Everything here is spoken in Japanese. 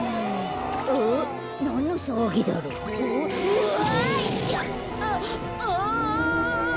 うわ！